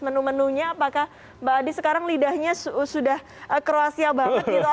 menu menunya apakah mbak adi sekarang lidahnya sudah kroasia banget gitu